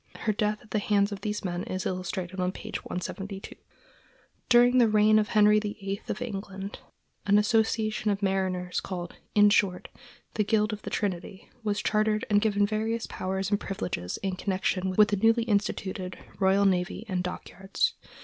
Her death at the hands of these men is illustrated on page 172. During the reign of Henry VIII of England, an association of mariners called, in short, the Guild of the Trinity was chartered and given various powers and privileges in connection with the newly instituted royal navy and dockyards.